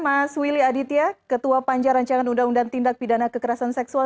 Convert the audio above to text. mas willy aditya ketua panja rancangan undang undang tindak pidana kekerasan seksual